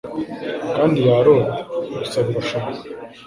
Kandi yarota "gusa birashoboka"